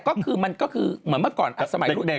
ก็เป็นแต่มันก็คือเหมือนเมื่อก่อนสมัยลูกเด็ก